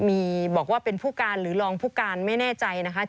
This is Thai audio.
มีบอกว่าเป็นผู้การหรือรองผู้การไม่แน่ใจนะคะที่บอกเราในโทรศัพท์